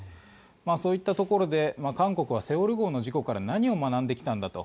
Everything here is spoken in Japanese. そういったところで韓国は「セウォル号」の事故から何を学んできたんだと。